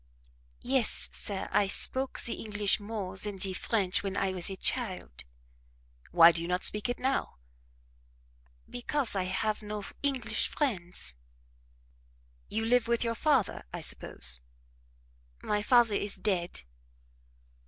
"Yes, sir, I spoke the English more than the French when I was a child." "Why do you not speak it now?" "Because I have no English friends." "You live with your father, I suppose?" "My father is dead."